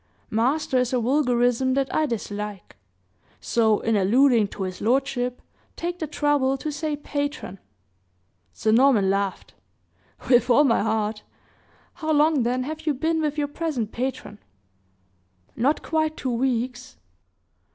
"Master is a vulgarism that I dislike; so, in alluding to his lordship, take the trouble to say, patron." Sir Norman laughed. "With all my heart! How long, then, have you been with your present patron?" "Not quite two weeks."